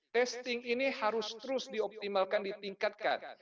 testing ini harus terus dioptimalkan ditingkatkan